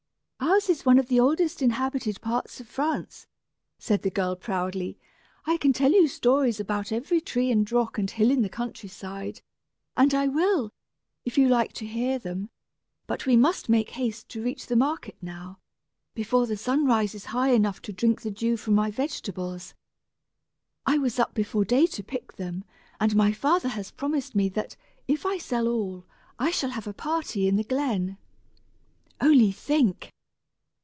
"Ours is one of the oldest inhabited parts of France," said the girl, proudly; "I can tell you stories about every tree and rock and hill in the country side, and I will, if you like to hear them; but we must make haste to reach the market now, before the sun rises high enough to drink the dew from my vegetables. I was up before day to pick them, and my father has promised me that, if I sell all, I shall have a party in the glen. Only think!